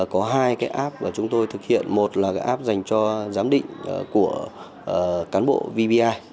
có hai cái app mà chúng tôi thực hiện một là cái app dành cho giám định của cán bộ vbi